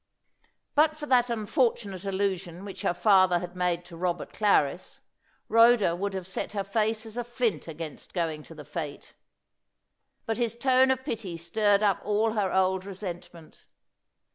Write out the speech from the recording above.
But for that unfortunate allusion which her father had made to Robert Clarris, Rhoda would have set her face as a flint against going to the fête. But his tone of pity stirred up all her old resentment.